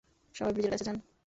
সবাই ব্রিজের কাছে যান!